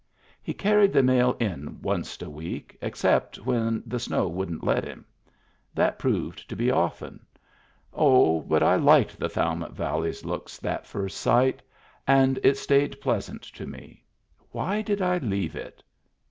He carried the mail in wunst a week, except when the snow wouldn't let him. That proved to be often. Oh> but I liked the Thowmet Valley's looks that first sight I And it stayed pleasant to me. Why did I leave it